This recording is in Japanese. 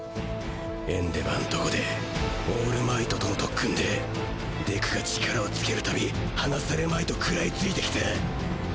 エンデヴァーんとこでオールマイトとの特訓でデクが力をつける度離されまいとくらいついてきた。